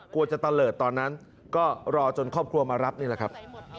กลัวจะตะเลิศตอนนั้นก็รอจนครอบครัวมารับนี่แหละครับ